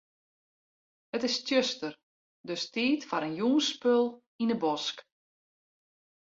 It is tsjuster, dus tiid foar in jûnsspul yn 'e bosk.